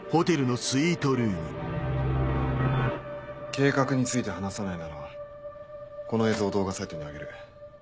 計画について話さないならこの映像を動画サイトに上げる。